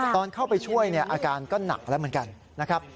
ตอนเข้าไปช่วยอาการก็หนักแล้วเหมือนกันนะครับ